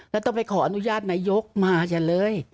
แล้วต้องไปขออนุญาตนายกมาฉันเลย